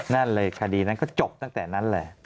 นั่นเลยคดีนั้นก็จบตั้งแต่นั้นเลย